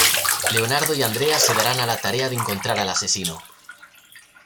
Leonardo y Andrea se darán a la tarea de encontrar al asesino.